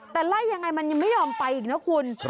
แต่ไล่ยังไงมันยังไม่ยอมไปอีกนะคุณ